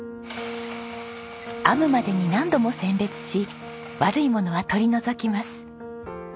編むまでに何度も選別し悪いものは取り除きます。